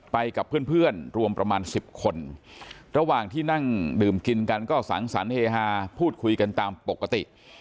ไปกับเพื่อนรวมประมาณ๑๐คนระหว่างที่นั่งดื่มกินกันก็สังสรรคเฮฮาพูดคุยกันตามปกติ